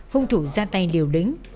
hùng thủ ra tay liều đứng